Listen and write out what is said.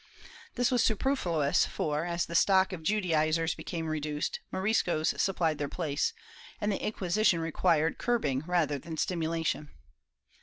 This was superfluous for, as the stock of Judaizers became reduced, Moriscos suppUed their place, and the Inquisition required curb ing rather than stimulation.